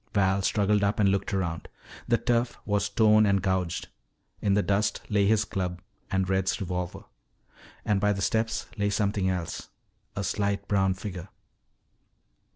Val struggled up and looked around. The turf was torn and gouged. In the dust lay his club and Red's revolver. And by the steps lay something else, a slight brown figure.